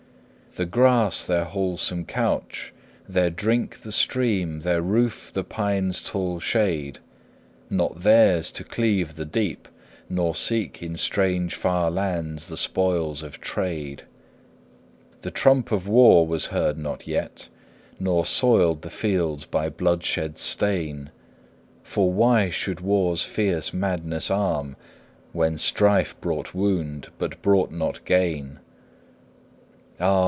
The grass their wholesome couch, their drink The stream, their roof the pine's tall shade; Not theirs to cleave the deep, nor seek In strange far lands the spoils of trade. The trump of war was heard not yet, Nor soiled the fields by bloodshed's stain; For why should war's fierce madness arm When strife brought wound, but brought not gain? Ah!